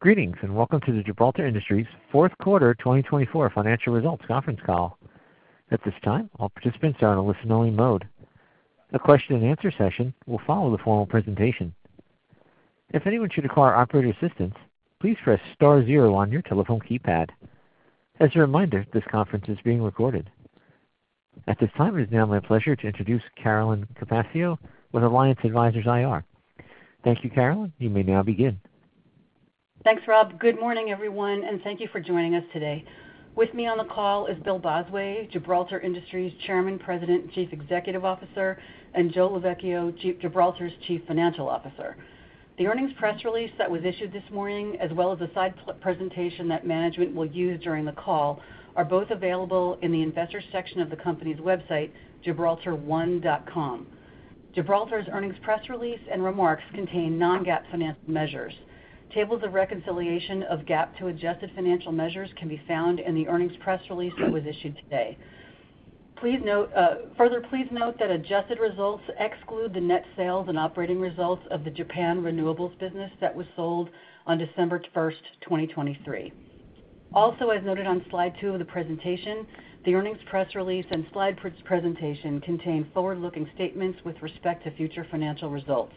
Greetings and welcome to the Gibraltar Industries fourth quarter 2024 financial results conference call. At this time, all participants are on a listen-only mode. The question-and-answer session will follow the formal presentation. If anyone should require operator assistance, please press star zero on your telephone keypad. As a reminder, this conference is being recorded. At this time, it is now my pleasure to introduce Carolyn Capaccio with Alliance Advisors IR. Thank you, Carolyn. You may now begin. Thanks, Rob. Good morning, everyone, and thank you for joining us today. With me on the call is Bill Bosway, Gibraltar Industries Chairman, President, and Chief Executive Officer, and Joe Lovechio, Gibraltar's Chief Financial Officer. The earnings press release that was issued this morning, as well as the slide presentation that management will use during the call, are both available in the investor section of the company's website, gibraltar1.com. Gibraltar's earnings press release and remarks contain non-GAAP financial measures. Tables of reconciliation of GAAP to adjusted financial measures can be found in the earnings press release that was issued today. Further, please note that adjusted results exclude the net sales and operating results of the Japan Renewables business that was sold on December 1st, 2023. Also, as noted on slide two of the presentation, the earnings press release and slide presentation contain forward-looking statements with respect to future financial results.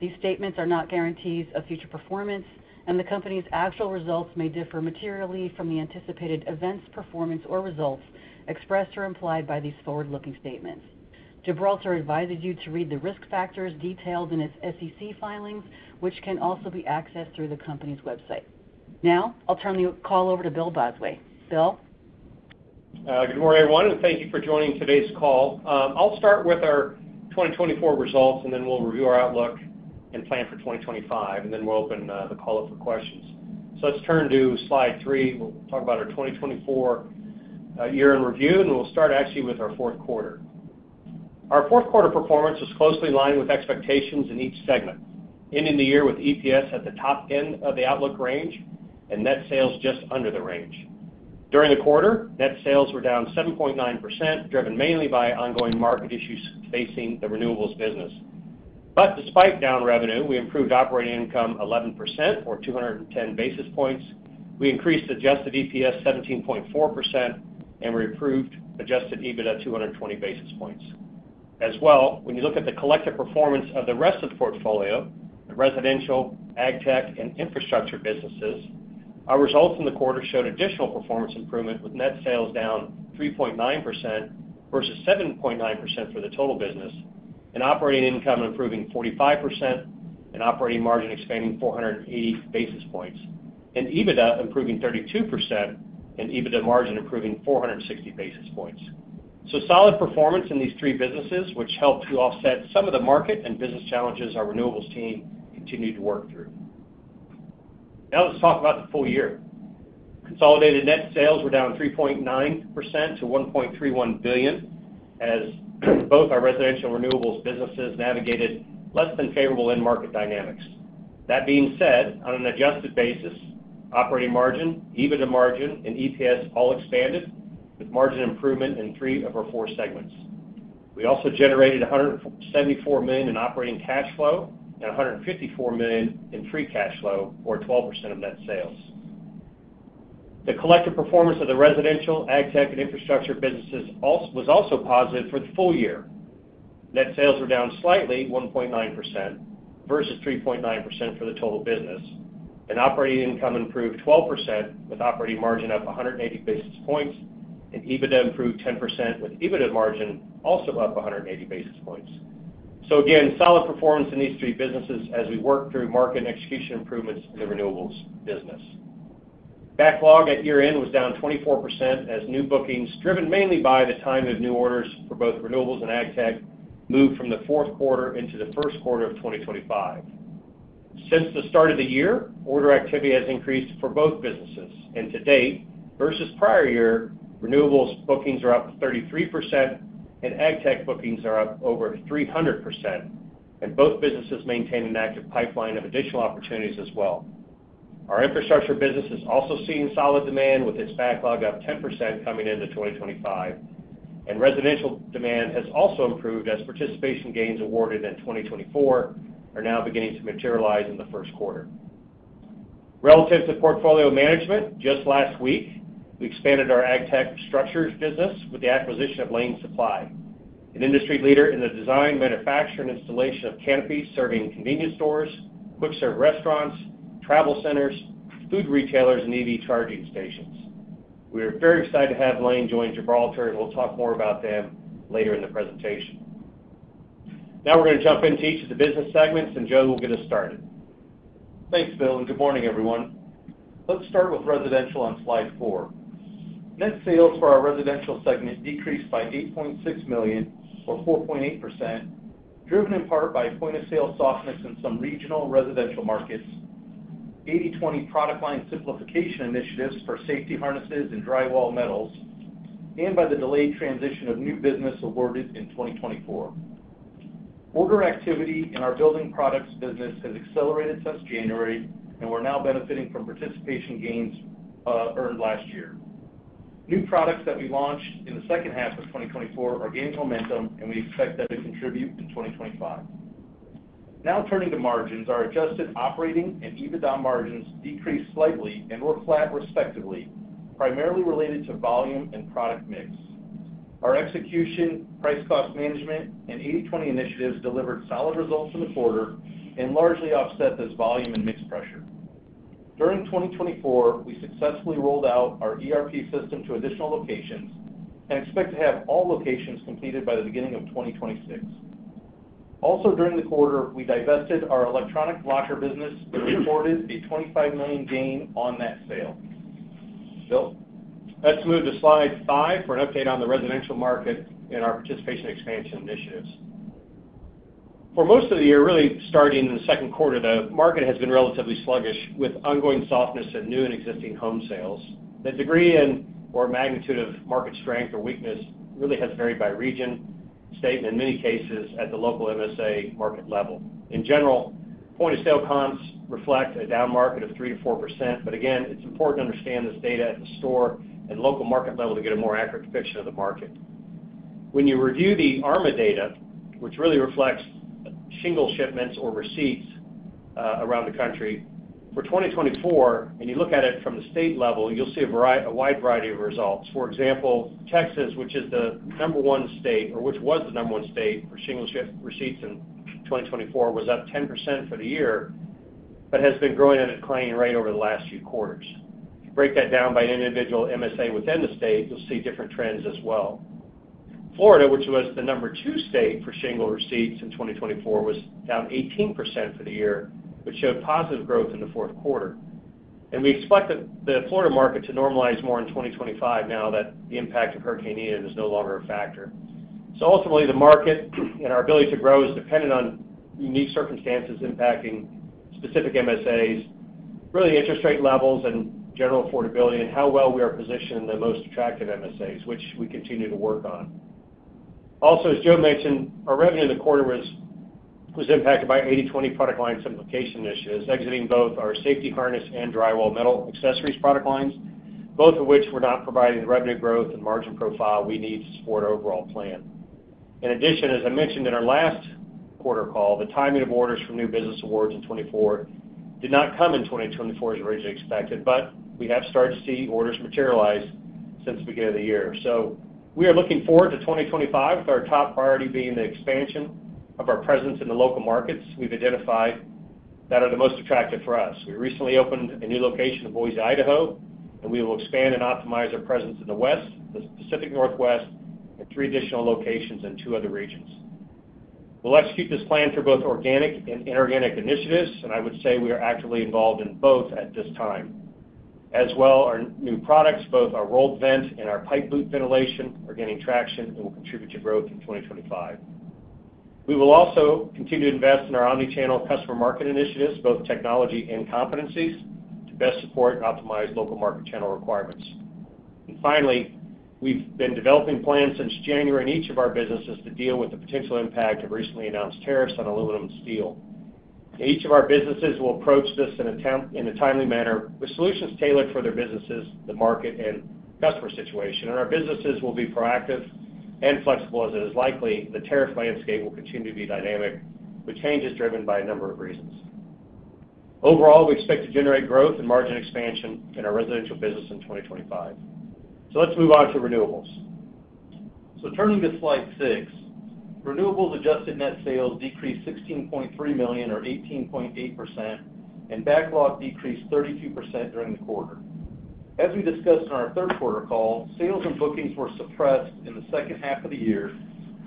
These statements are not guarantees of future performance, and the company's actual results may differ materially from the anticipated events, performance, or results expressed or implied by these forward-looking statements. Gibraltar advises you to read the risk factors detailed in its SEC filings, which can also be accessed through the company's website. Now, I'll turn the call over to Bill Bosway. Bill. Good morning, everyone, and thank you for joining today's call. I'll start with our 2024 results, and then we'll review our outlook and plan for 2025, and then we'll open the call up for questions, so let's turn to slide three. We'll talk about our 2024 year in review, and we'll start actually with our fourth quarter. Our fourth quarter performance was closely aligned with expectations in each segment, ending the year with EPS at the top end of the outlook range and net sales just under the range. During the quarter, net sales were down 7.9%, driven mainly by ongoing market issues facing the Renewables business, but despite down revenue, we improved operating income 11%, or 210 basis points., and we improved adjusted EBITDA 220 basis points. As well, when you look at the collective performance of the rest of the portfolio, the Residential, AgTech, and Infrastructure businesses, our results in the quarter showed additional performance improvement, with net sales down 3.9% versus 7.9% for the total business, and operating income improving 45%, and operating margin expanding 480 basis points, and EBITDA improving 32%, and EBITDA margin improving 460 basis points. So solid performance in these three businesses, which helped to offset some of the market and business challenges our Renewables team continued to work through. Now, let's talk about the full year. Consolidated net sales were down 3.9% to $1.31 billion, as both our Residential and Renewables businesses navigated less than favorable end-market dynamics. That being said, on an adjusted basis, operating margin, EBITDA margin, and EPS all expanded, with margin improvement in three of our four segments. We also generated $174 million in operating cash flow and $154 million in free cash flow, or 12% of net sales. The collective performance of the Residential, AgTech, and Infrastructure businesses was also positive for the full year. Net sales were down slightly, 1.9%, versus 3.9% for the total business. And operating income improved 12%, with operating margin up 180 basis points, and EBITDA improved 10%, with EBITDA margin also up 180 basis points. So again, solid performance in these three businesses as we work through market and execution improvements in the Renewables business. Backlog at year-end was down 24%, as new bookings, driven mainly by the time of new orders for both Renewables and AgTech, moved from the fourth quarter into the first quarter of 2025. Since the start of the year, order activity has increased for both businesses, and to date, versus prior year, Renewables bookings are up 33%, and AgTech bookings are up over 300%, and both businesses maintain an active pipeline of additional opportunities as well. Our Infrastructure business is also seeing solid demand, with its backlog up 10% coming into 2025, and Residential demand has also improved as participation gains awarded in 2024 are now beginning to materialize in the first quarter. Relative to portfolio management, just last week, we expanded our AgTech structures business with the acquisition of Lane Supply, an industry leader in the design, manufacture, and installation of canopies serving convenience stores, quick-serve restaurants, travel centers, food retailers, and EV charging stations. We are very excited to have Lane join Gibraltar, and we'll talk more about them later in the presentation. Now, we're going to jump into each of the business segments, and Joe will get us started. Thanks, Bill, and good morning, everyone. Let's start with Residential on slide four. Net sales for our Residential segment decreased by $8.6 million, or 4.8%, driven in part by point-of-sale softness in some regional Residential markets, 80/20 product line simplification initiatives for safety harnesses and drywall metals, and by the delayed transition of new business awarded in 2024. Order activity in our building products business has accelerated since January, and we're now benefiting from participation gains earned last year. New products that we launched in the second half of 2024 are gaining momentum, and we expect that to contribute to 2025. Now turning to margins, our adjusted operating and EBITDA margins decreased slightly and were flat respectively, primarily related to volume and product mix. Our execution, price-cost management, and 80/20 initiatives delivered solid results in the quarter and largely offset this volume and mix pressure. During 2024, we successfully rolled out our ERP system to additional locations and expect to have all locations completed by the beginning of 2026. Also, during the quarter, we divested our electronic locker business and reported a $25 million gain on net sale. Bill? Let's move to slide five for an update on the Residential market and our participation expansion initiatives. For most of the year, really starting in the second quarter, the market has been relatively sluggish with ongoing softness in new and existing home sales. The degree and/or magnitude of market strength or weakness really has varied by region, state, and in many cases at the local MSA market level. In general, point-of-sale comps reflect a down market of 3%-4%, but again, it's important to understand this data at the store and local market level to get a more accurate depiction of the market. When you review the ARMA data, which really reflects shingle shipments or receipts around the country for 2024, and you look at it from the state level, you'll see a wide variety of results. For example, Texas, which is the number one state, or which was the number one state for shingle receipts in 2024, was up 10% for the year, but has been growing at a declining rate over the last few quarters. If you break that down by individual MSA within the state, you'll see different trends as well. Florida, which was the number two state for shingle receipts in 2024, was down 18% for the year, which showed positive growth in the fourth quarter, and we expect the Florida market to normalize more in 2025 now that the impact of Hurricane Ian is no longer a factor. So ultimately, the market and our ability to grow is dependent on unique circumstances impacting specific MSAs, really interest rate levels and general affordability, and how well we are positioned in the most attractive MSAs, which we continue to work on. Also, as Joe mentioned, our revenue in the quarter was impacted by 80/20 product line simplification initiatives, exiting both our safety harness and drywall metal accessories product lines, both of which were not providing the revenue growth and margin profile we need to support our overall plan. In addition, as I mentioned in our last quarter call, the timing of orders for new business awards in 2024 did not come in 2024 as originally expected, but we have started to see orders materialize since the beginning of the year. We are looking forward to 2025, with our top priority being the expansion of our presence in the local markets we've identified that are the most attractive for us. We recently opened a new location in Boise, Idaho, and we will expand and optimize our presence in the west, the Pacific Northwest, and three additional locations in two other regions. We'll execute this plan for both organic and inorganic initiatives, and I would say we are actively involved in both at this time. As well, our new products, both our Rolled Vent and our Pipe Boot ventilation, are gaining traction and will contribute to growth in 2025. We will also continue to invest in our omnichannel customer market initiatives, both technology and competencies, to best support and optimize local market channel requirements. And finally, we've been developing plans since January in each of our businesses to deal with the potential impact of recently announced tariffs on aluminum and steel. Each of our businesses will approach this in a timely manner with solutions tailored for their businesses, the market, and customer situation. And our businesses will be proactive and flexible as it is likely the tariff landscape will continue to be dynamic, with changes driven by a number of reasons. Overall, we expect to generate growth and margin expansion in our Residential business in 2025. So let's move on to Renewables. So turning to slide six, Renewables adjusted net sales decreased $16.3 million, or 18.8%, and backlog decreased 32% during the quarter. As we discussed in our third quarter call, sales and bookings were suppressed in the second half of the year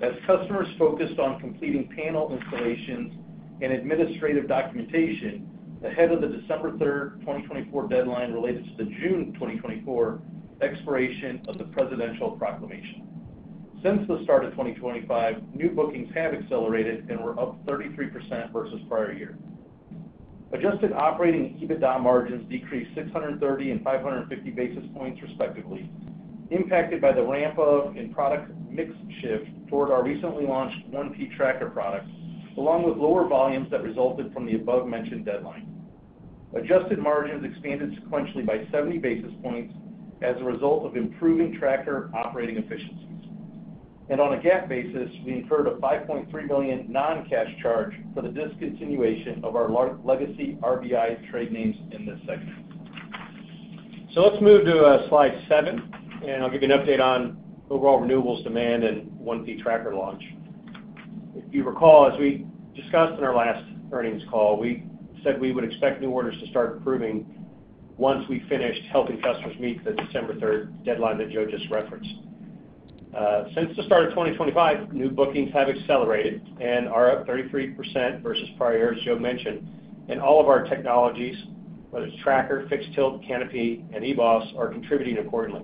as customers focused on completing panel installations and administrative documentation ahead of the December 3rd, 2024 deadline related to the June 2024 expiration of the Presidential Proclamation. Since the start of 2025, new bookings have accelerated and were up 33% versus prior year. Adjusted operating EBITDA margins decreased 630 and 550 basis points respectively, impacted by the ramp-up in product mix shift toward our recently launched 1P tracker products, along with lower volumes that resulted from the above-mentioned deadline. Adjusted margins expanded sequentially by 70 basis points as a result of improving tracker operating efficiencies, and on a GAAP basis, we incurred a $5.3 million non-cash charge for the discontinuation of our legacy RBI trade names in this segment. So let's move to slide seven, and I'll give you an update on overall Renewables demand and 1P tracker launch. If you recall, as we discussed in our last earnings call, we said we would expect new orders to start improving once we finished helping customers meet the December 3rd deadline that Joe just referenced. Since the start of 2025, new bookings have accelerated and are up 33% versus prior years, as Joe mentioned, and all of our technologies, whether it's tracker, fixed tilt, canopy, and eBOS, are contributing accordingly.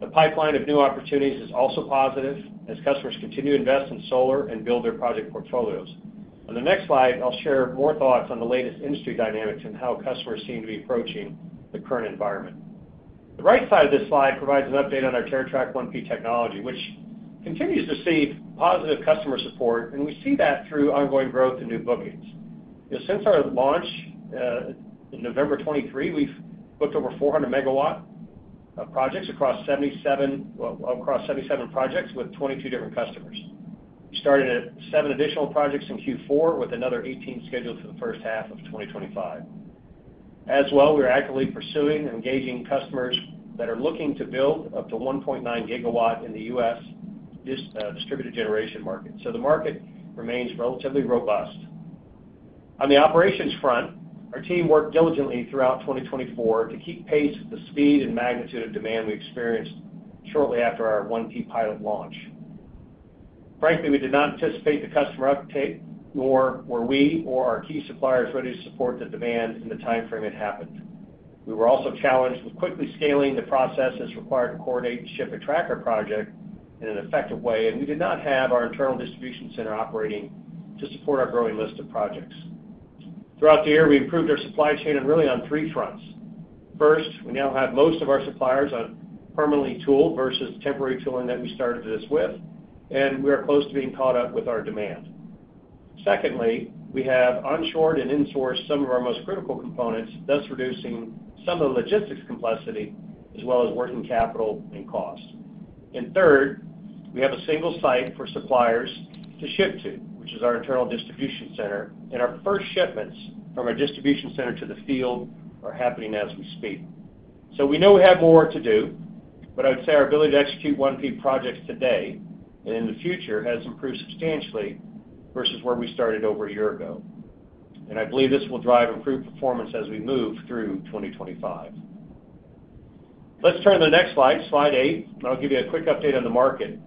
The pipeline of new opportunities is also positive as customers continue to invest in solar and build their project portfolios. On the next slide, I'll share more thoughts on the latest industry dynamics and how customers seem to be approaching the current environment. The right side of this slide provides an update on our TerraTrak 1P technology, which continues to receive positive customer support, and we see that through ongoing growth and new bookings. Since our launch in November 2023, we've booked over 400 megawatt projects across 77 projects with 22 different customers. We started at seven additional projects in Q4 with another 18 scheduled for the first half of 2025. As well, we are actively pursuing and engaging customers that are looking to build up to 1.9 gigawatt in the U.S. distributed generation market. So the market remains relatively robust. On the operations front, our team worked diligently throughout 2024 to keep pace with the speed and magnitude of demand we experienced shortly after our 1P pilot launch. Frankly, we did not anticipate the customer uptake, nor were we or our key suppliers ready to support the demand in the timeframe it happened. We were also challenged with quickly scaling the processes required to coordinate the ship and tracker project in an effective way, and we did not have our internal distribution center operating to support our growing list of projects. Throughout the year, we improved our supply chain and really on three fronts. First, we now have most of our suppliers permanently tooled versus temporary tooling that we started this with, and we are close to being caught up with our demand. Secondly, we have onshored and insourced some of our most critical components, thus reducing some of the logistics complexity as well as working capital and cost. Third, we have a single site for suppliers to ship to, which is our internal distribution center, and our first shipments from our distribution center to the field are happening as we speak. We know we have more work to do, but I would say our ability to execute 1P projects today and in the future has improved substantially versus where we started over a year ago. I believe this will drive improved performance as we move through 2025. Let's turn to the next slide, slide eight, and I'll give you a quick update on the market.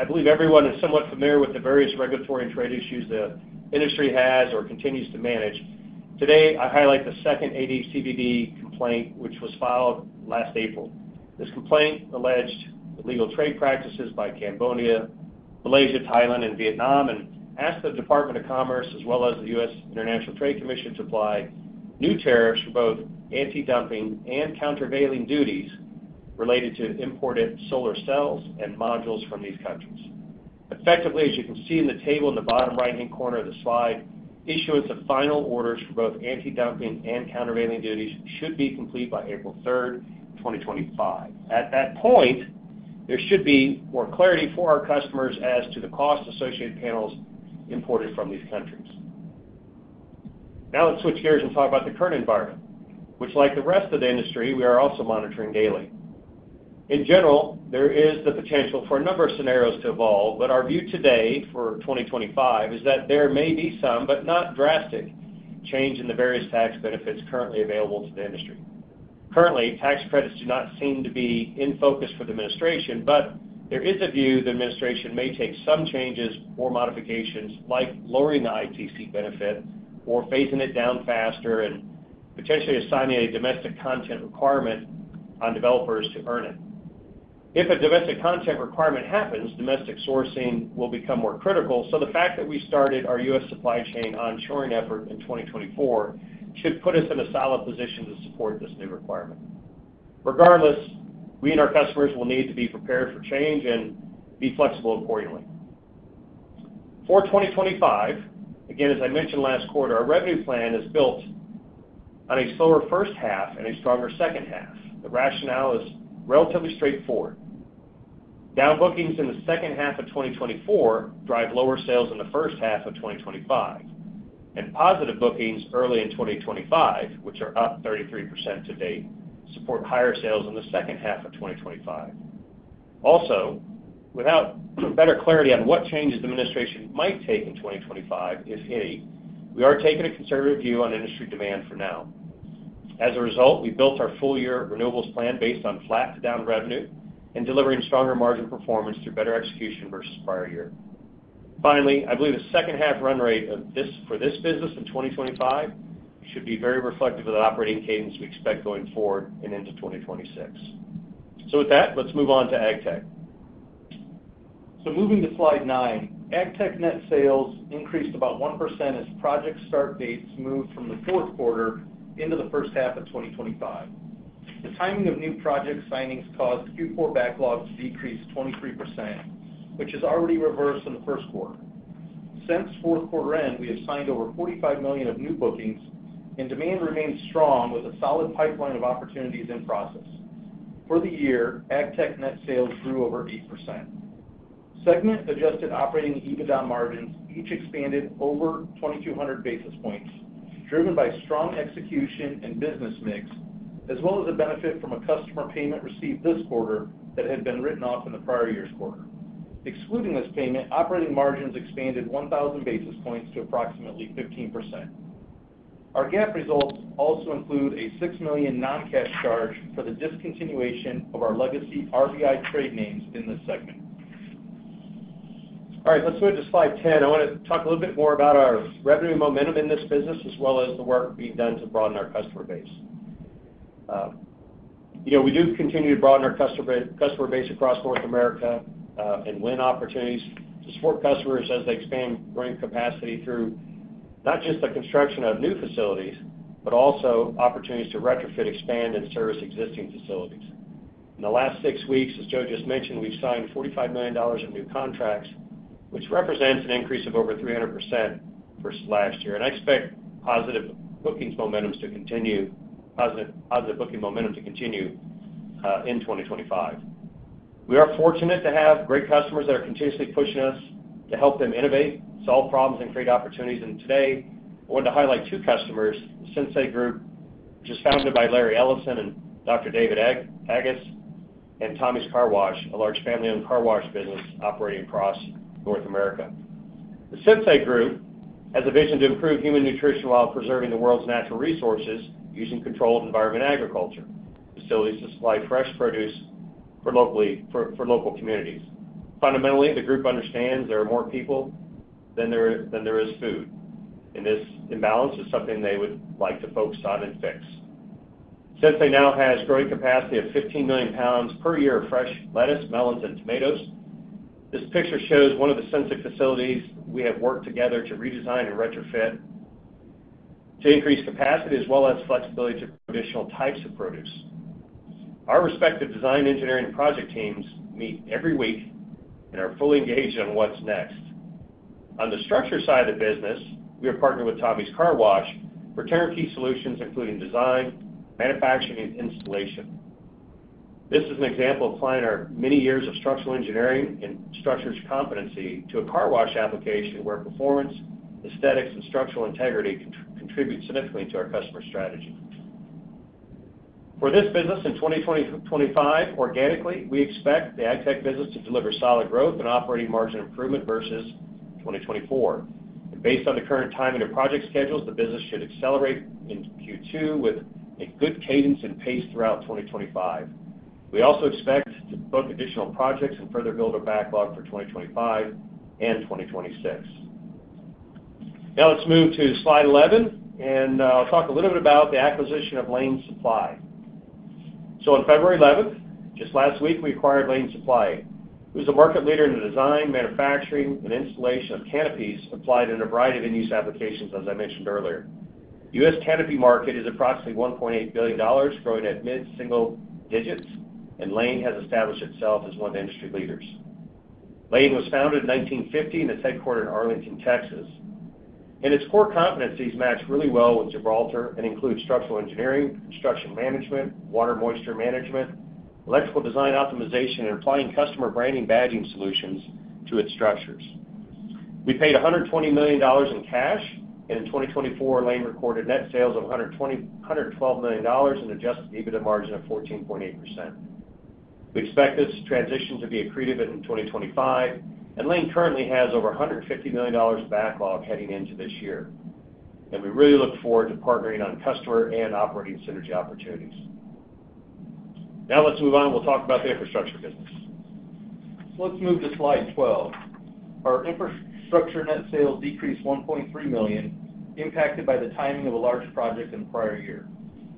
I believe everyone is somewhat familiar with the various regulatory and trade issues the industry has or continues to manage. Today, I highlight the second 80/20 complaint, which was filed last April. This complaint alleged illegal trade practices by Cambodia, Malaysia, Thailand, and Vietnam, and asked the Department of Commerce as well as the U.S. International Trade Commission to apply new tariffs for both anti-dumping and countervailing duties related to imported solar cells and modules from these countries. Effectively, as you can see in the table in the bottom right-hand corner of the slide, issuance of final orders for both anti-dumping and countervailing duties should be complete by April 3rd, 2025. At that point, there should be more clarity for our customers as to the cost associated with panels imported from these countries. Now, let's switch gears and talk about the current environment, which, like the rest of the industry, we are also monitoring daily. In general, there is the potential for a number of scenarios to evolve, but our view today for 2025 is that there may be some, but not drastic change in the various tax benefits currently available to the industry. Currently, tax credits do not seem to be in focus for the administration, but there is a view the administration may take some changes or modifications like lowering the ITC benefit or phasing it down faster and potentially assigning a domestic content requirement on developers to earn it. If a domestic content requirement happens, domestic sourcing will become more critical, so the fact that we started our U.S. supply chain onshoring effort in 2024 should put us in a solid position to support this new requirement. Regardless, we and our customers will need to be prepared for change and be flexible accordingly. For 2025, again, as I mentioned last quarter, our revenue plan is built on a slower first half and a stronger second half. The rationale is relatively straightforward. Down bookings in the second half of 2024 drive lower sales in the first half of 2025, and positive bookings early in 2025, which are up 33% to date, support higher sales in the second half of 2025. Also, without better clarity on what changes the administration might take in 2025, if any, we are taking a conservative view on industry demand for now. As a result, we built our full-year Renewables plan based on flat to down revenue and delivering stronger margin performance through better execution versus prior year. Finally, I believe the second-half run rate for this business in 2025 should be very reflective of the operating cadence we expect going forward and into 2026. With that, let's move on to AgTech. Moving to slide nine, AgTech net sales increased about 1% as project start dates moved from the fourth quarter into the first half of 2025. The timing of new project signings caused Q4 backlog to decrease 23%, which has already reversed in the first quarter. Since fourth quarter end, we have signed over $45 million of new bookings, and demand remains strong with a solid pipeline of opportunities in process. For the year, AgTech net sales grew over 8%. Segment-adjusted operating EBITDA margins each expanded over 2,200 basis points, driven by strong execution and business mix, as well as a benefit from a customer payment received this quarter that had been written off in the prior year's quarter. Excluding this payment, operating margins expanded 1,000 basis points to approximately 15%. Our GAAP results also include a $6 million non-cash charge for the discontinuation of our legacy RBI trade names in this segment. All right, let's switch to slide 10. I want to talk a little bit more about our revenue momentum in this business as well as the work being done to broaden our customer base. We do continue to broaden our customer base across North America and win opportunities to support customers as they expand growing capacity through not just the construction of new facilities, but also opportunities to retrofit, expand, and service existing facilities. In the last six weeks, as Joe just mentioned, we've signed $45 million in new contracts, which represents an increase of over 300% versus last year, and I expect positive bookings momentums to continue, positive booking momentum to continue in 2025. We are fortunate to have great customers that are continuously pushing us to help them innovate, solve problems, and create opportunities, and today, I want to highlight two customers, the Sensei Group, which is founded by Larry Ellison and Dr. David Agus, and Tommy's Car Wash, a large family-owned carwash business operating across North America. The Sensei Group has a vision to improve human nutrition while preserving the world's natural resources using controlled environment agriculture facilities to supply fresh produce for local communities. Fundamentally, the group understands there are more people than there is food, and this imbalance is something they would like to focus on and fix. Sensei now has growing capacity of 15 million pounds per year of fresh lettuce, melons, and tomatoes. This picture shows one of the Sensei facilities we have worked together to redesign and retrofit to increase capacity as well as flexibility to produce additional types of produce. Our respective design engineering project teams meet every week and are fully engaged in what's next. On the structure side of the business, we have partnered with Tommy's Car Wash for turnkey solutions, including design, manufacturing, and installation. This is an example of applying our many years of structural engineering and structures competency to a car wash application where performance, aesthetics, and structural integrity contribute significantly to our customer strategy. For this business in 2025, organically, we expect the AgTech business to deliver solid growth and operating margin improvement versus 2024. Based on the current timing of project schedules, the business should accelerate in Q2 with a good cadence and pace throughout 2025. We also expect to book additional projects and further build our backlog for 2025 and 2026. Now, let's move to slide 11, and I'll talk a little bit about the acquisition of Lane Supply. On February 11th, just last week, we acquired Lane Supply. It was a market leader in the design, manufacturing, and installation of canopies applied in a variety of end-use applications, as I mentioned earlier. U.S. canopy market is approximately $1.8 billion, growing at mid-single digits, and Lane has established itself as one of the industry leaders. Lane was founded in 1950 and is headquartered in Arlington, Texas. Its core competencies match really well with Gibraltar and include structural engineering, construction management, water moisture management, electrical design optimization, and applying customer branding badging solutions to its structures. We paid $120 million in cash, and in 2024, Lane recorded net sales of $112 million and adjusted EBITDA margin of 14.8%. We expect this transition to be accretive in 2025, and Lane currently has over $150 million backlog heading into this year, and we really look forward to partnering on customer and operating synergy opportunities. Now, let's move on. We'll talk about the Infrastructure business. So let's move to slide 12. Our Infrastructure net sales decreased $1.3 million, impacted by the timing of a large project in the prior year.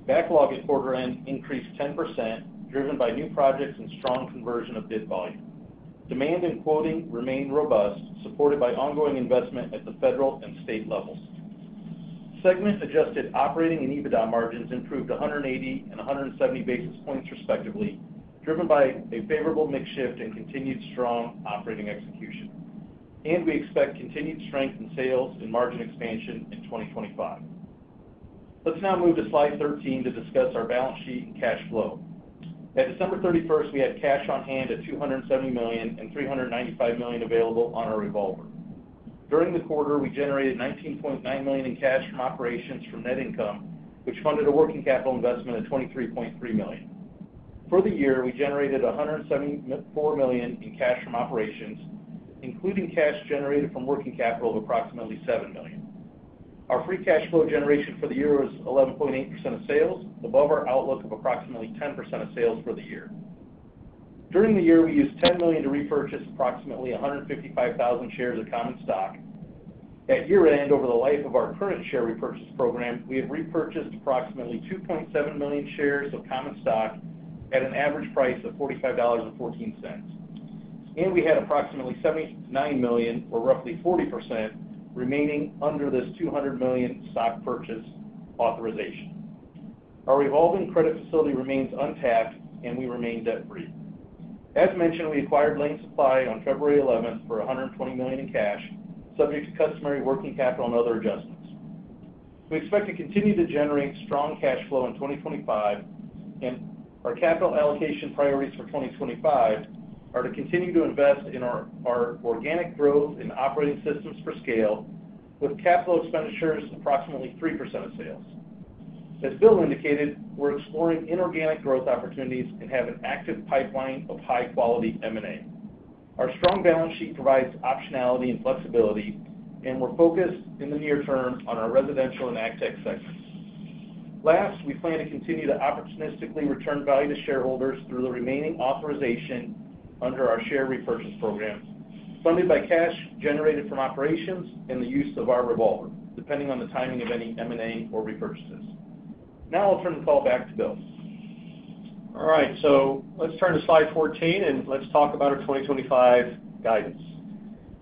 Backlog at quarter end increased 10%, driven by new projects and strong conversion of bid volume. Demand and quoting remain robust, supported by ongoing investment at the federal and state levels. Segment-adjusted operating and EBITDA margins improved 180 and 170 basis points respectively, driven by a favorable mix shift and continued strong operating execution. We expect continued strength in sales and margin expansion in 2025. Let's now move to slide 13 to discuss our balance sheet and cash flow. At December 31st, we had cash on hand of $270 million and $395 million available on our revolver. During the quarter, we generated $19.9 million in cash from operations from net income, which funded a working capital investment of $23.3 million. For the year, we generated $174 million in cash from operations, including cash generated from working capital of approximately $7 million. Our free cash flow generation for the year was 11.8% of sales, above our outlook of approximately 10% of sales for the year. During the year, we used $10 million to repurchase approximately 155,000 shares of common stock. At year-end, over the life of our current share repurchase program, we have repurchased approximately 2.7 million shares of common stock at an average price of $45.14, and we had approximately 79 million, or roughly 40%, remaining under this 200 million stock purchase authorization. Our revolving credit facility remains untapped, and we remain debt-free. As mentioned, we acquired Lane Supply on February 11th for $120 million in cash, subject to customary working capital and other adjustments. We expect to continue to generate strong cash flow in 2025, and our capital allocation priorities for 2025 are to continue to invest in our organic growth and operating systems for scale, with capital expenditures approximately 3% of sales. As Bill indicated, we're exploring inorganic growth opportunities and have an active pipeline of high-quality M&A. Our strong balance sheet provides optionality and flexibility, and we're focused in the near term on our Residential and AgTech segments. Lastly, we plan to continue to opportunistically return value to shareholders through the remaining authorization under our share repurchase program, funded by cash generated from operations and the use of our revolver, depending on the timing of any M&A or repurchases. Now, I'll turn the call back to Bill. All right, so let's turn to slide 14, and let's talk about our 2025 guidance.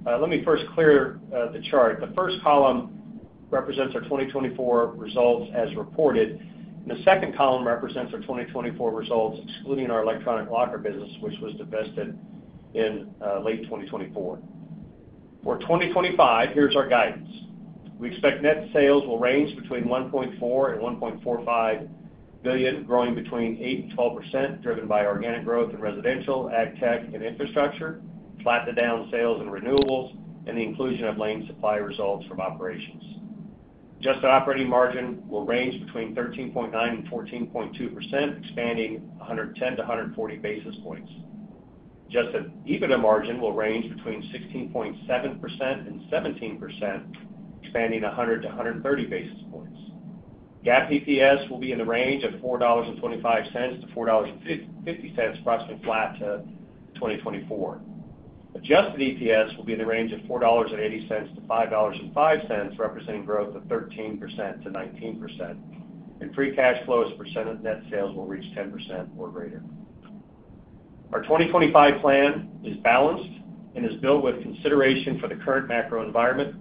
Let me first clear the chart. The first column represents our 2024 results as reported, and the second column represents our 2024 results, excluding our electronic locker business, which was divested in late 2024. For 2025, here's our guidance. We expect net sales will range between $1.4 billion and $1.45 billion, growing between 8% and 12%, driven by organic growth in Residential, AgTech, and Infrastructure, flat to down sales in Renewables, and the inclusion of Lane Supply results from operations. The operating margin will range between 13.9% and 14.2%, expanding 110-140 basis points. The EBITDA margin will range between 16.7% and 17%, expanding 100-130 basis points. GAAP EPS will be in the range of $4.25-$4.50, approximately flat to 2024. Adjusted EPS will be in the range of $4.80-$5.05, representing growth of 13%-19%. Free cash flow as a percent of net sales will reach 10% or greater. Our 2025 plan is balanced and is built with consideration for the current macro environment,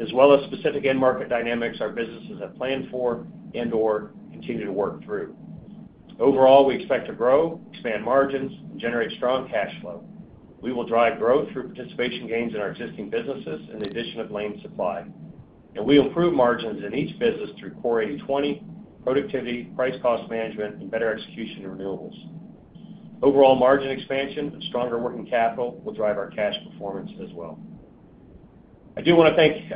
as well as specific end market dynamics our businesses have planned for and/or continue to work through. Overall, we expect to grow, expand margins, and generate strong cash flow. We will drive growth through participation gains in our existing businesses and the addition of Lane Supply, and we'll improve margins in each business through Core 80/20, productivity, price-cost management, and better execution of Renewables. Overall, margin expansion and stronger working capital will drive our cash performance as well. I do want to thank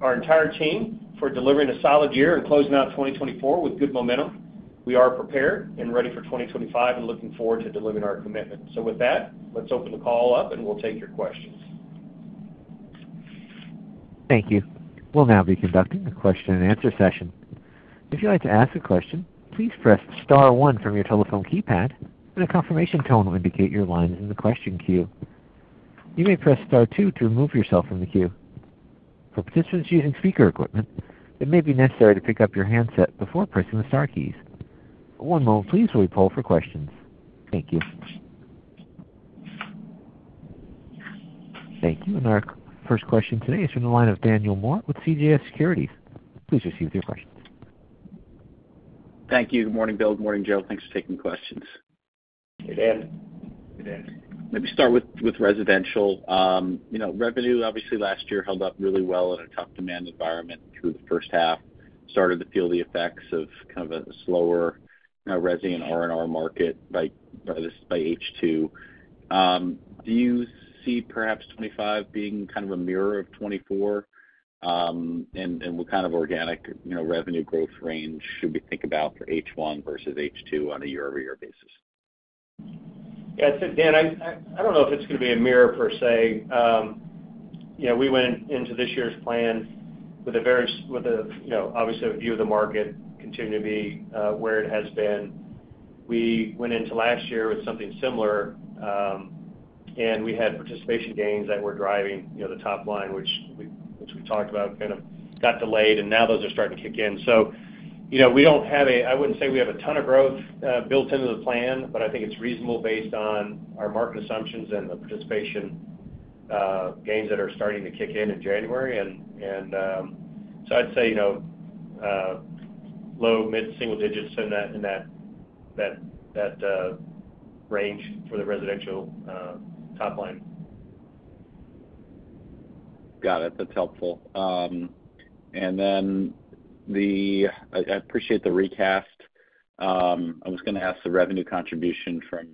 our entire team for delivering a solid year and closing out 2024 with good momentum. We are prepared and ready for 2025 and looking forward to delivering our commitment, so with that, let's open the call up, and we'll take your questions. Thank you. We'll now be conducting a question-and-answer session. If you'd like to ask a question, please press star one from your telephone keypad, and a confirmation tone will indicate your lines in the question queue. You may press star two to remove yourself from the queue. For participants using speaker equipment, it may be necessary to pick up your handset before pressing the star keys. One moment, please, while we poll for questions. Thank you. Thank you. And our first question today is from the line of Daniel Moore with CJS Securities. Please proceed with your questions. Thank you. Good morning, Bill. Good morning, Joe. Thanks for taking questions. Hey, Dan. Hey, Dan. Let me start with Residential. Revenue, obviously, last year held up really well in a tough demand environment through the first half. Started to feel the effects of kind of a slower resi and R&R market by H2. Do you see perhaps 2025 being kind of a mirror of 2024? And what kind of organic revenue growth range should we think about for H1 versus H2 on a year-over-year basis? Yeah, Dan, I don't know if it's going to be a mirror per se. We went into this year's plan with a very, obviously, a view of the market continuing to be where it has been. We went into last year with something similar, and we had participation gains that were driving the top line, which we talked about kind of got delayed, and now those are starting to kick in. So we don't have a, I wouldn't say we have a ton of growth built into the plan, but I think it's reasonable based on our market assumptions and the participation gains that are starting to kick in in January. And so I'd say low, mid-single digits in that range for the Residential top line. Got it. That's helpful. And then I appreciate the recast. I was going to ask the revenue contribution from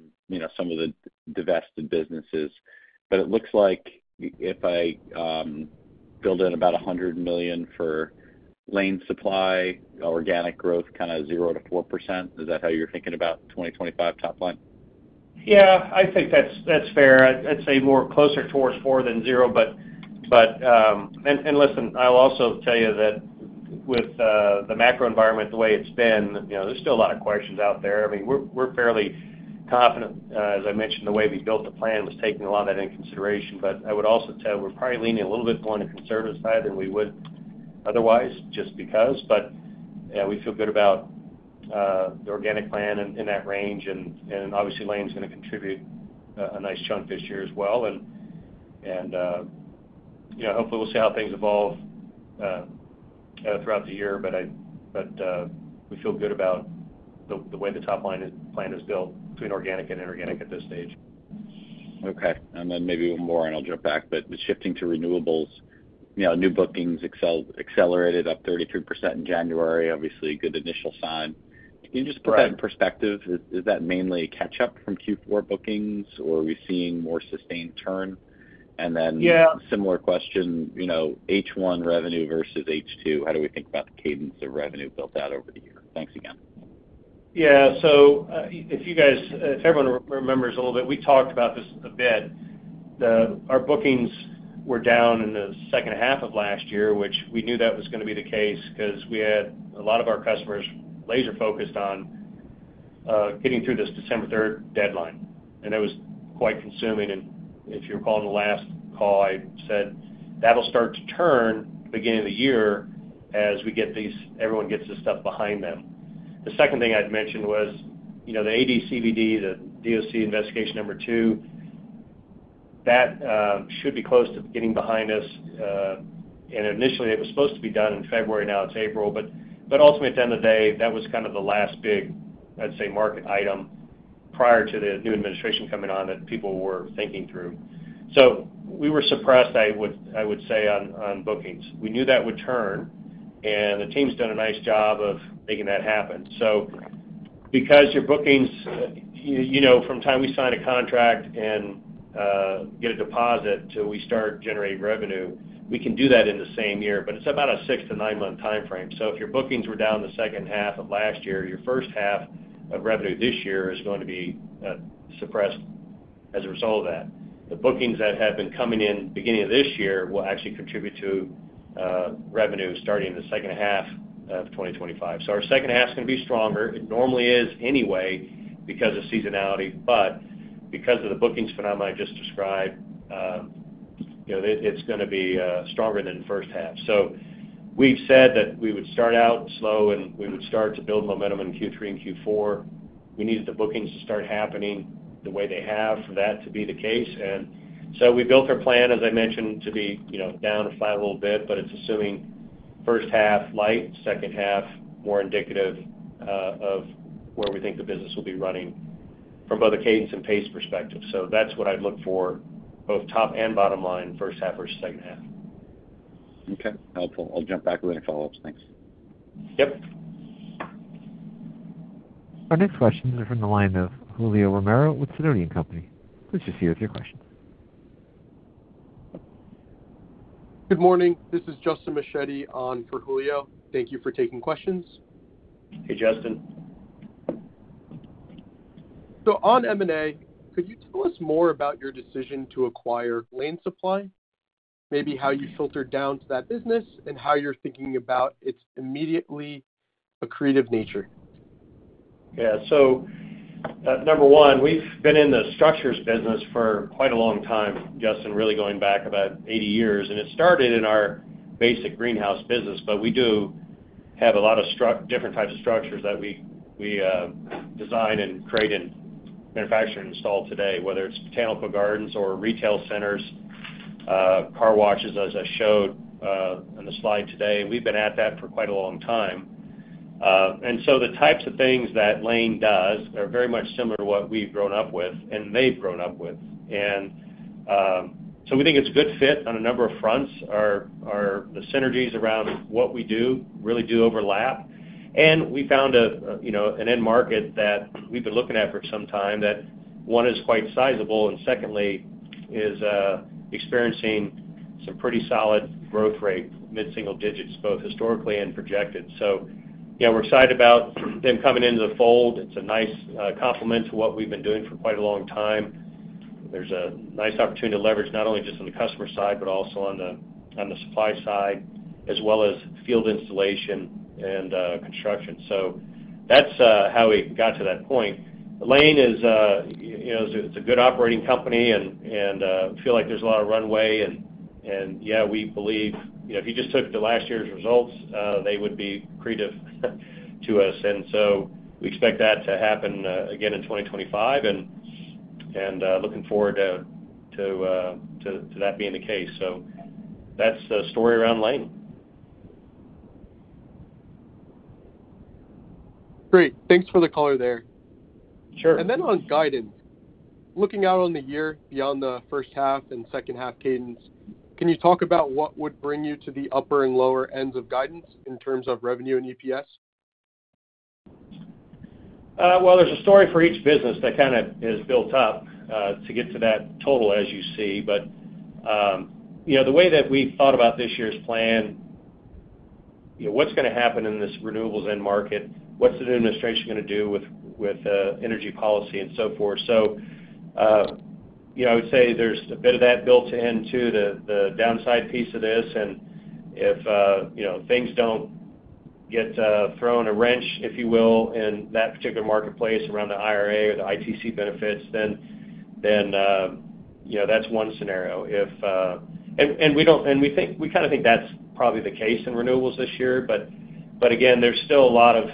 some of the divested businesses, but it looks like if I build in about $100 million for Lane Supply, organic growth kind of 0%-4%. Is that how you're thinking about 2025 top line? Yeah, I think that's fair. I'd say closer towards 4 than 0. But listen, I'll also tell you that with the macro environment, the way it's been, there's still a lot of questions out there. I mean, we're fairly confident, as I mentioned, the way we built the plan was taking a lot of that into consideration. But I would also tell you we're probably leaning a little bit more on the conservative side than we would otherwise, just because. But we feel good about the organic plan in that range, and obviously, Lane's going to contribute a nice chunk this year as well. Hopefully, we'll see how things evolve throughout the year, but we feel good about the way the top line plan is built between organic and inorganic at this stage. Okay. Then maybe a little more, and I'll jump back, but shifting to Renewables, new bookings accelerated up 33% in January. Obviously, good initial sign. Can you just put that in perspective? Is that mainly catch-up from Q4 bookings, or are we seeing more sustained turn? And then similar question, H1 revenue versus H2, how do we think about the cadence of revenue built out over the year? Thanks again. Yeah. If everyone remembers a little bit, we talked about this a bit. Our bookings were down in the second half of last year, which we knew that was going to be the case because we had a lot of our customers laser-focused on getting through this December 3rd deadline, and it was quite consuming, and if you recall in the last call, I said, "That'll start to turn at the beginning of the year as everyone gets this stuff behind them." The second thing I'd mentioned was the ADCVD, the DOC investigation number two, that should be close to getting behind us, and initially, it was supposed to be done in February. Now it's April, but ultimately, at the end of the day, that was kind of the last big, I'd say, market item prior to the new administration coming on that people were thinking through, so we were surprised, I would say, on bookings. We knew that would turn, and the team's done a nice job of making that happen. So because your bookings, from the time we sign a contract and get a deposit till we start generating revenue, we can do that in the same year, but it's about a six-to-nine-month timeframe. So if your bookings were down the second half of last year, your first half of revenue this year is going to be suppressed as a result of that. The bookings that have been coming in the beginning of this year will actually contribute to revenue starting in the second half of 2025. So our second half is going to be stronger. It normally is anyway because of seasonality, but because of the bookings phenomena I just described, it's going to be stronger than the first half. So we've said that we would start out slow, and we would start to build momentum in Q3 and Q4. We needed the bookings to start happening the way they have for that to be the case. And so we built our plan, as I mentioned, to be down a flat little bit, but it's assuming first half light, second half more indicative of where we think the business will be running from both a cadence and pace perspective. So that's what I'd look for, both top and bottom line, first half versus second half. Okay. Helpful. I'll jump back with any follow-ups. Thanks. Yep. Our next question is from the line of Julio Romero with Sidoti & Company. Please go ahead with your questions. Good morning. This is Justin Mechetti on for Julio. Thank you for taking questions. Hey, Justin. So on M&A, could you tell us more about your decision to acquire Lane Supply, maybe how you filtered down to that business, and how you're thinking about its immediately accretive nature? Yeah. So number one, we've been in the structures business for quite a long time, Justin, really going back about 80 years. And it started in our basic greenhouse business, but we do have a lot of different types of structures that we design and create and manufacture and install today, whether it's botanical gardens or retail centers, car washes, as I showed on the slide today. We've been at that for quite a long time. And so the types of things that Lane does are very much similar to what we've grown up with and they've grown up with. And so we think it's a good fit on a number of fronts. The synergies around what we do really do overlap. And we found an end market that we've been looking at for some time that, one, is quite sizable, and secondly, is experiencing some pretty solid growth rate, mid-single digits, both historically and projected. So yeah, we're excited about them coming into the fold. It's a nice complement to what we've been doing for quite a long time. There's a nice opportunity to leverage not only just on the customer side, but also on the supply side, as well as field installation and construction. So that's how we got to that point. Lane is a good operating company, and I feel like there's a lot of runway. And yeah, we believe if you just took the last year's results, they would be accretive to us. And so we expect that to happen again in 2025, and looking forward to that being the case. So that's the story around Lane. Great. Thanks for the color there. Sure. And then on guidance, looking out on the year beyond the first half and second half cadence, can you talk about what would bring you to the upper and lower ends of guidance in terms of revenue and EPS? Well, there's a story for each business that kind of is built up to get to that total, as you see. But the way that we thought about this year's plan, what's going to happen in this Renewables end market, what's the administration going to do with energy policy and so forth. So I would say there's a bit of that built into the downside piece of this. And if things don't get thrown a wrench, if you will, in that particular marketplace around the IRA or the ITC benefits, then that's one scenario. And we kind of think that's probably the case in Renewables this year. But again, there's still a lot of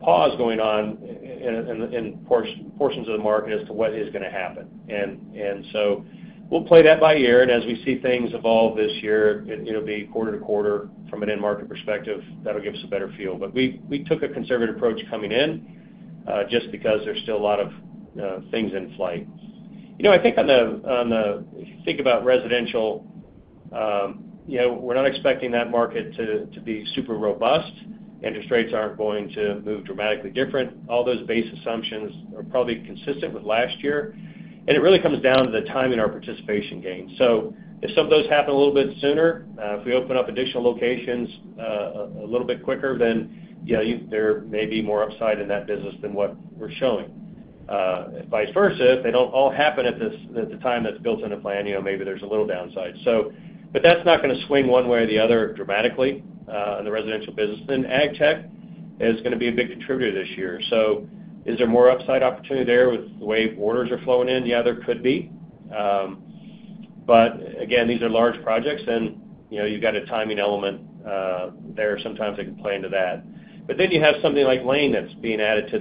pause going on in portions of the market as to what is going to happen. And so we'll play that by ear. And as we see things evolve this year, it'll be quarter to quarter from an end market perspective. That'll give us a better feel. But we took a conservative approach coming in just because there's still a lot of things in play. I think on the if you think about Residential, we're not expecting that market to be super robust. Interest rates aren't going to move dramatically different. All those base assumptions are probably consistent with last year. And it really comes down to the timing of our participation gains. So if some of those happen a little bit sooner, if we open up additional locations a little bit quicker, then there may be more upside in that business than what we're showing. Vice versa, if they don't all happen at the time that's built in the plan, maybe there's a little downside. But that's not going to swing one way or the other dramatically in the Residential business. And AgTech is going to be a big contributor this year. So is there more upside opportunity there with the way orders are flowing in? Yeah, there could be. But again, these are large projects, and you've got a timing element there. Sometimes it can play into that. But then you have something like Lane that's being added to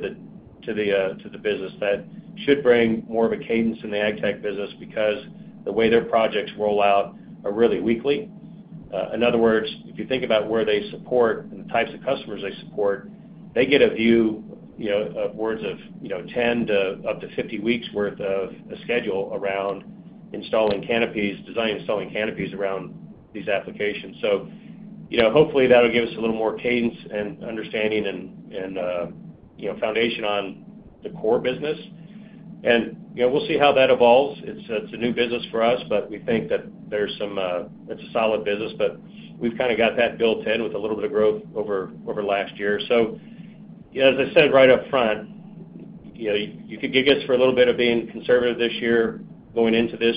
the business that should bring more of a cadence in the AgTech business because the way their projects roll out are really weekly. In other words, if you think about where they support and the types of customers they support, they get a view of orders of 10 to up to 50 weeks' worth of a schedule around designing installing canopies around these applications. So hopefully, that'll give us a little more cadence and understanding and foundation on the core business. And we'll see how that evolves. It's a new business for us, but we think that there's some it's a solid business, but we've kind of got that built in with a little bit of growth over last year. So as I said right up front, you could gig us for a little bit of being conservative this year going into this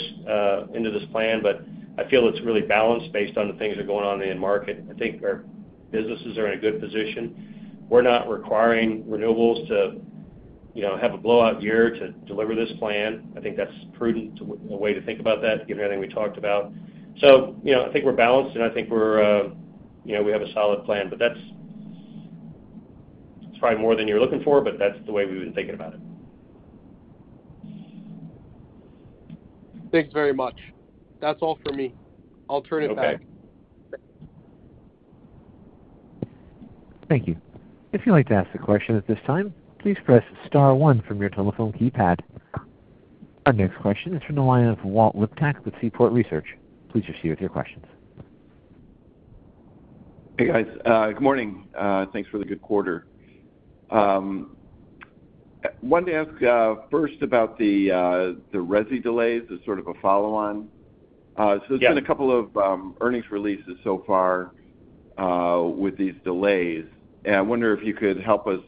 plan, but I feel it's really balanced based on the things that are going on in the market. I think our businesses are in a good position. We're not requiring Renewables to have a blowout year to deliver this plan. I think that's a prudent way to think about that, given everything we talked about. So I think we're balanced, and I think we have a solid plan. But that's probably more than you're looking for, but that's the way we've been thinking about it. Thanks very much. That's all for me. I'll turn it back. Okay. Thank you. If you'd like to ask a question at this time, please press star one from your telephone keypad. Our next question is from the line of Walt Liptak with Seaport Research. Please proceed with your questions. Hey, guys. Good morning. Thanks for the good quarter. I wanted to ask first about the resi delays as sort of a follow-on. So there's been a couple of earnings releases so far with these delays. I wonder if you could help us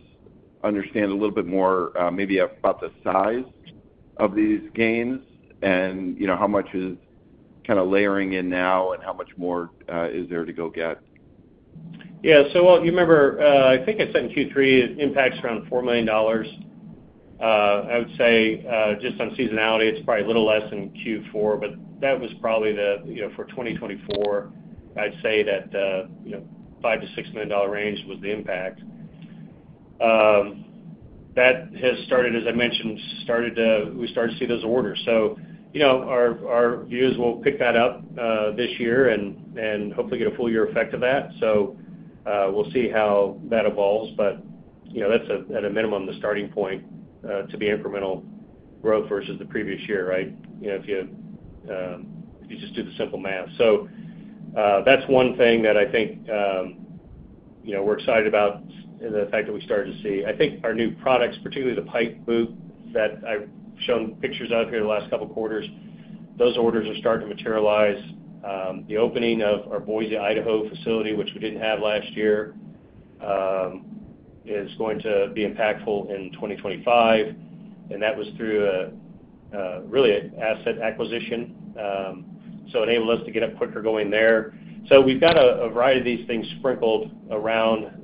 understand a little bit more maybe about the size of these gains and how much is kind of layering in now and how much more is there to go get? Yeah. So you remember, I think I said in Q3, it impacts around $4 million. I would say just on seasonality, it's probably a little less than Q4, but that was probably the for 2024. I'd say that the $5-$6 million range was the impact. That has started, as I mentioned, we started to see those orders, so our views will pick that up this year and hopefully get a full year effect of that, so we'll see how that evolves, but that's, at a minimum, the starting point to be incremental growth versus the previous year, right, if you just do the simple math. So that's one thing that I think we're excited about and the fact that we started to see, I think our new products, particularly the Pipe Boot that I've shown pictures of here the last couple of quarters, those orders are starting to materialize. The opening of our Boise, Idaho facility, which we didn't have last year, is going to be impactful in 2025, and that was through really an asset acquisition, so it enabled us to get up quicker going there. So we've got a variety of these things sprinkled around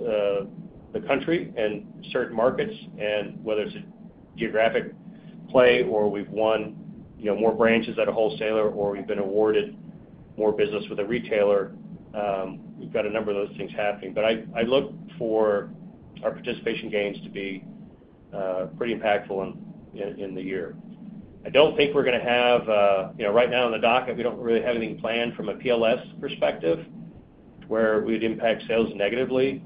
the country and certain markets, and whether it's a geographic play or we've won more branches at a wholesaler or we've been awarded more business with a retailer, we've got a number of those things happening. But I look for our participation gains to be pretty impactful in the year. I don't think we're going to have right now in the docket, we don't really have anything planned from a PLS perspective where we'd impact sales negatively,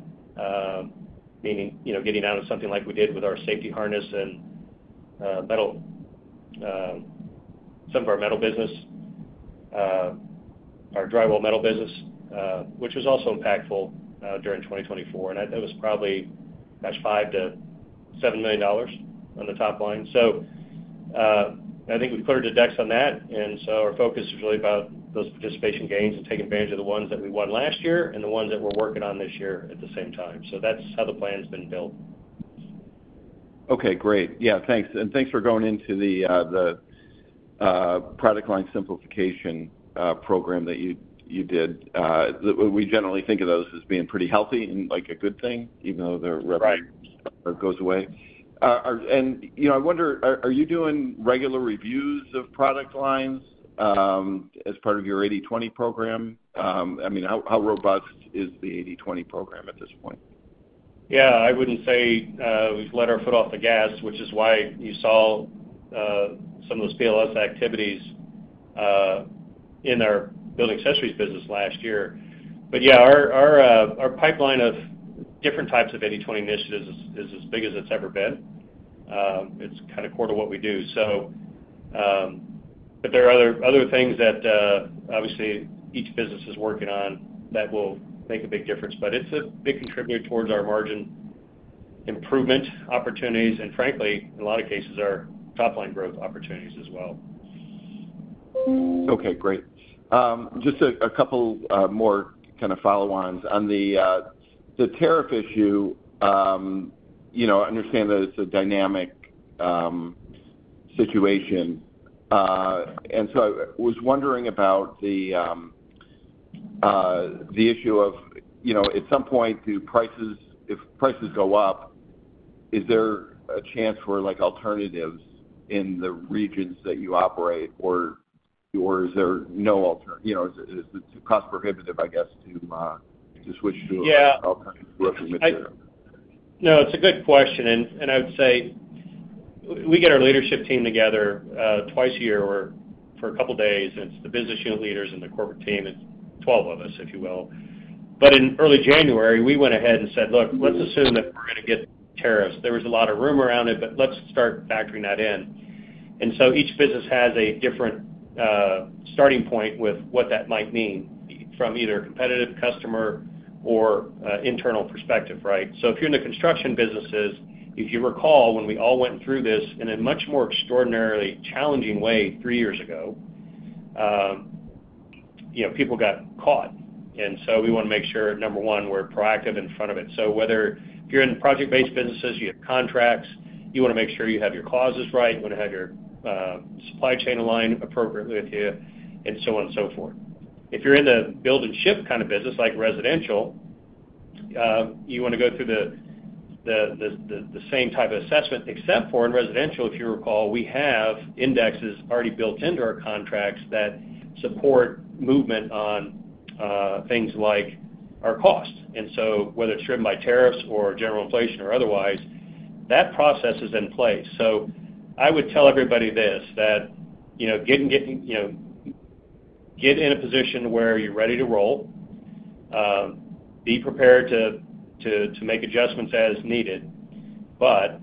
meaning getting out of something like we did with our safety harness and some of our metal business, our drywall metal business, which was also impactful during 2024. And that was probably $5 million-$7 million on the top line. So I think we've cleared the decks on that. And so our focus is really about those participation gains and taking advantage of the ones that we won last year and the ones that we're working on this year at the same time. So that's how the plan's been built. Okay. Great. Yeah. Thanks. And thanks for going into the product line simplification program that you did. We generally think of those as being pretty healthy and like a good thing, even though the revenue goes away. And I wonder, are you doing regular reviews of product lines as part of your 80/20 program? I mean, how robust is the 80/20 program at this point? Yeah. I wouldn't say we've let our foot off the gas, which is why you saw some of those PLS activities in our building accessories business last year. But yeah, our pipeline of different types of 80/20 initiatives is as big as it's ever been. It's kind of core to what we do. But there are other things that obviously each business is working on that will make a big difference. But it's a big contributor towards our margin improvement opportunities and, frankly, in a lot of cases, our top-line growth opportunities as well. Okay. Great. Just a couple more kind of follow-ons on the tariff issue. I understand that it's a dynamic situation. And so I was wondering about the issue of, at some point, if prices go up, is there a chance for alternatives in the regions that you operate, or is there no alternative? Is it too cost-prohibitive, I guess, to switch to alternative growth? Yeah. No. It's a good question. I would say we get our leadership team together twice a year for a couple of days. It's the business unit leaders and the corporate team. It's 12 of us, if you will. But in early January, we went ahead and said, "Look, let's assume that we're going to get tariffs." There was a lot of room around it, but let's start factoring that in. So each business has a different starting point with what that might mean from either a competitive customer or internal perspective, right? So if you're in the construction businesses, if you recall when we all went through this in a much more extraordinarily challenging way three years ago, people got caught. So we want to make sure, number one, we're proactive in front of it. So whether if you're in project-based businesses, you have contracts, you want to make sure you have your clauses right. You want to have your supply chain aligned appropriately with you, and so on and so forth. If you're in the build and ship kind of business, like Residential, you want to go through the same type of assessment. Except for in Residential, if you recall, we have indexes already built into our contracts that support movement on things like our cost. And so whether it's driven by tariffs or general inflation or otherwise, that process is in place. So I would tell everybody this: that get in a position where you're ready to roll, be prepared to make adjustments as needed. But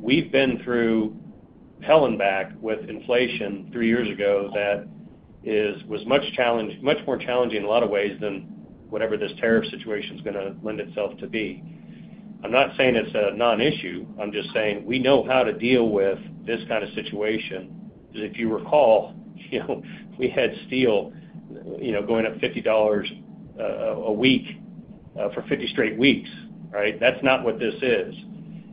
we've been through hell and back with inflation three years ago that was much more challenging in a lot of ways than whatever this tariff situation is going to lend itself to be. I'm not saying it's a non-issue. I'm just saying we know how to deal with this kind of situation. If you recall, we had steel going up $50 a week for 50 straight weeks, right? That's not what this is.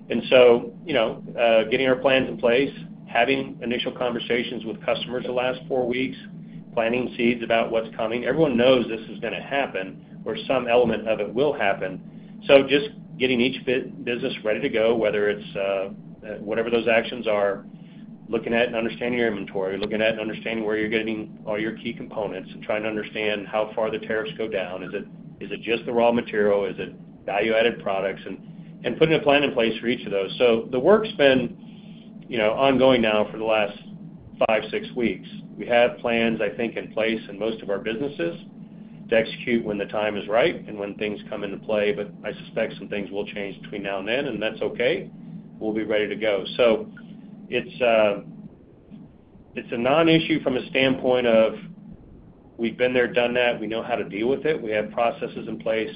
And so getting our plans in place, having initial conversations with customers the last four weeks, planting seeds about what's coming. Everyone knows this is going to happen or some element of it will happen. So just getting each business ready to go, whether it's whatever those actions are, looking at and understanding your inventory, looking at and understanding where you're getting all your key components, and trying to understand how far the tariffs go down. Is it just the raw material? Is it value-added products? And putting a plan in place for each of those. So the work's been ongoing now for the last five, six weeks. We have plans, I think, in place in most of our businesses to execute when the time is right and when things come into play. But I suspect some things will change between now and then, and that's okay. We'll be ready to go. So it's a non-issue from a standpoint of we've been there, done that. We know how to deal with it. We have processes in place.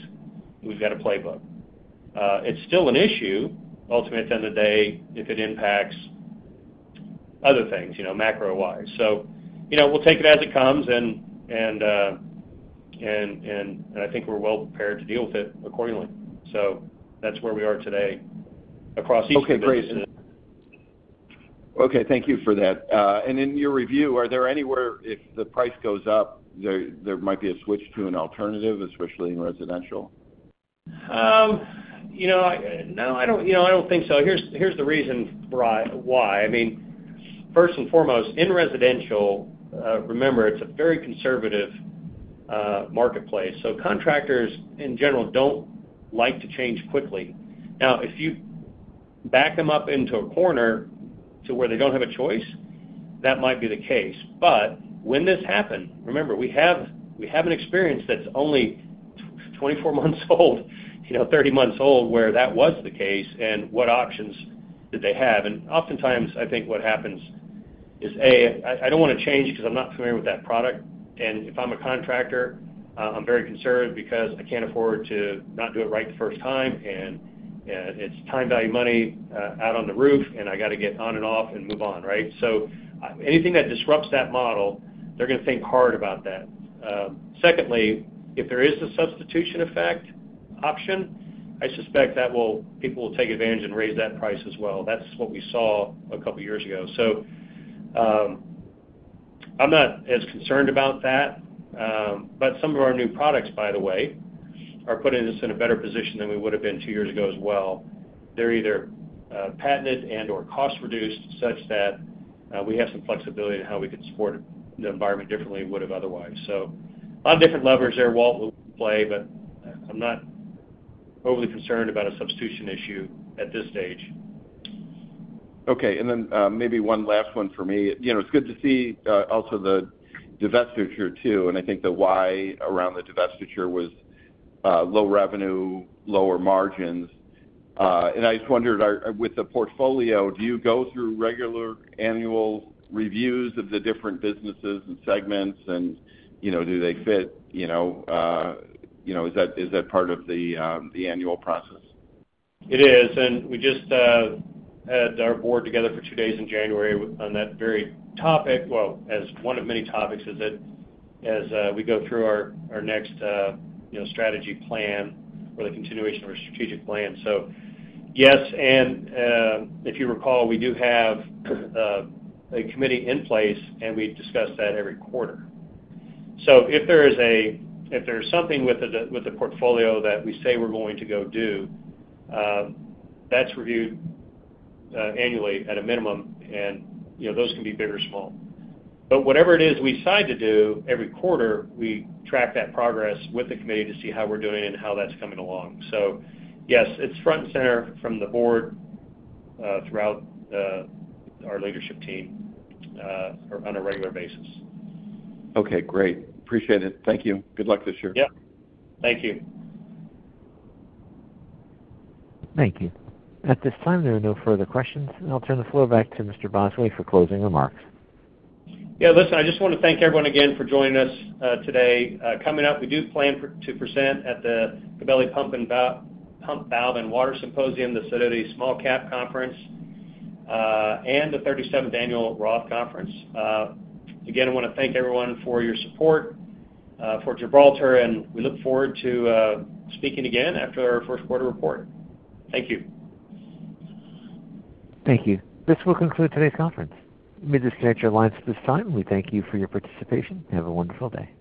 We've got a playbook. It's still an issue, ultimately, at the end of the day, if it impacts other things macro-wise. So we'll take it as it comes, and I think we're well prepared to deal with it accordingly. So that's where we are today across each business. Okay. Great. Okay. Thank you for that. And in your review, are there any areas where if the price goes up, there might be a switch to an alternative, especially in Residential? No, I don't think so. Here's the reason why. I mean, first and foremost, in Residential, remember, it's a very conservative marketplace. So contractors, in general, don't like to change quickly. Now, if you back them up into a corner to where they don't have a choice, that might be the case. But when this happened, remember, we have an experience that's only 24 months old, 30 months old, where that was the case and what options did they have? And oftentimes, I think what happens is, A, I don't want to change because I'm not familiar with that product. And if I'm a contractor, I'm very conservative because I can't afford to not do it right the first time. It's time value of money out on the roof, and I got to get on and off and move on, right? So anything that disrupts that model, they're going to think hard about that. Secondly, if there is a substitution effect option, I suspect people will take advantage and raise that price as well. That's what we saw a couple of years ago. So I'm not as concerned about that. But some of our new products, by the way, are putting us in a better position than we would have been two years ago as well. They're either patented and/or cost-reduced such that we have some flexibility in how we could support the environment differently than we would have otherwise. So a lot of different levers there, Walt will play, but I'm not overly concerned about a substitution issue at this stage. Okay. Then maybe one last one for me. It's good to see also the divestiture too, and I think the why around the divestiture was low revenue, lower margins. I just wondered, with the portfolio, do you go through regular annual reviews of the different businesses and segments, and do they fit? Is that part of the annual process? It is. We just had our board together for two days in January on that very topic, well, as one of many topics as we go through our next strategy plan or the continuation of our strategic plan. Yes. If you recall, we do have a committee in place, and we discuss that every quarter. If there is something with the portfolio that we say we're going to go do, that's reviewed annually at a minimum, and those can be big or small. But whatever it is we decide to do every quarter, we track that progress with the committee to see how we're doing and how that's coming along. So yes, it's front and center from the board throughout our leadership team on a regular basis. Okay. Great. Appreciate it. Thank you. Good luck this year. Yeah. Thank you. Thank you. At this time, there are no further questions. I'll turn the floor back to Mr. Bosway for closing remarks. Yeah. Listen, I just want to thank everyone again for joining us today. Coming up, we do plan to present at the Gabelli Pump, Valve, and Water Symposium, the Sidoti Small Cap Conference, and the 37th Annual Roth Conference. Again, I want to thank everyone for your support for Gibraltar, and we look forward to speaking again after our first quarter report. Thank you. Thank you. This will conclude today's conference. We disconnect your lines at this time. We thank you for your participation. Have a wonderful day.